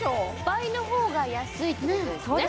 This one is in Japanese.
倍のほうが安いってことですね